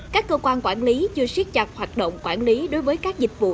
các cơ quan quản lý chưa siết chặt hoạt động quản lý đối với các dịch vụ